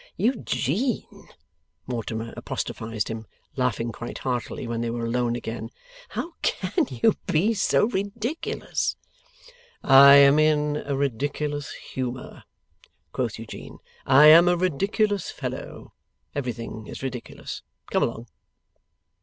'Eugene,' Mortimer apostrophized him, laughing quite heartily when they were alone again, 'how CAN you be so ridiculous?' 'I am in a ridiculous humour,' quoth Eugene; 'I am a ridiculous fellow. Everything is ridiculous. Come along!